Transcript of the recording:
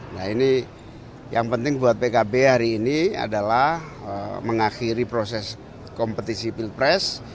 nah ini yang penting buat pkb hari ini adalah mengakhiri proses kompetisi pilpres